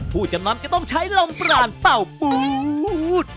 ผู้จำนำจะต้องใช้ลมปรานเป่าปูด